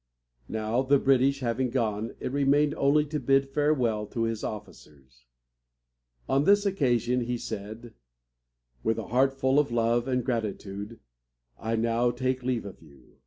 Now, the British having gone, it remained only to bid farewell to his officers. On this occasion he said: "With a heart full of love and gratitude I now take leave of you.